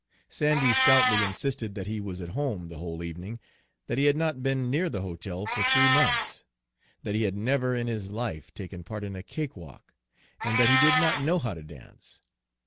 Sandy stoutly insisted that he was at home the whole evening; that he had not been near the hotel for three months; that he had never in his life taken part in a cakewalk, and that he did not know how to dance.